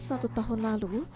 satu tahun lalu